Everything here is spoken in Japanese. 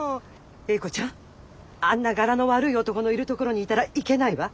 英子ちゃんあんなガラの悪い男のいるところにいたらいけないわ。